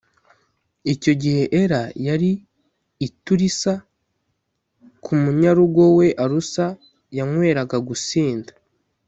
Icyo gihe Ela yari i Tirusa ku munyarugo we Arusa, yanyweraga gusinda